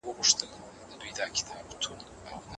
معلومات له ځانونو څخه مه پټوئ.